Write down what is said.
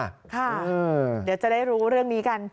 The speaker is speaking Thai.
เดี๋ยวจะได้รู้เรื่องนี้กัน